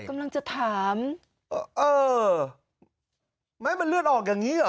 กำลังจะถามเออไหมมันเลือดออกอย่างนี้เหรอ